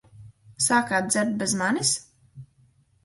Sākāt dzert bez manis?